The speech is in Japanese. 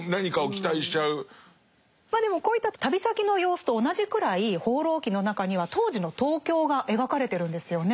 まあでもこういった旅先の様子と同じくらい「放浪記」の中には当時の東京が描かれてるんですよね。